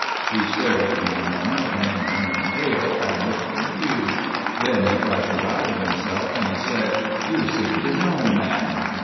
He stared at me a moment, and then turned pale and looked confused. Then he tried to rally himself, and he said: "You seem to know me, ma'am."